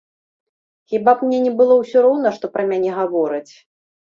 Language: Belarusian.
Хіба б мне не было ўсё роўна, што пра мяне гавораць?